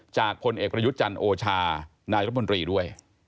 จากคนเอกประยุจจันโอชานายรับมนตรีด้วย